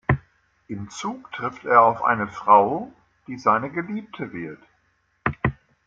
Im Zug trifft er auf eine Frau, die seine Geliebte wird.